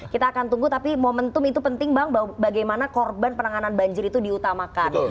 kita akan tunggu tapi momentum itu penting bang bagaimana korban penanganan banjir itu diutamakan